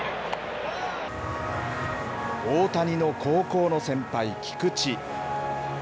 大谷の高校の先輩、菊池。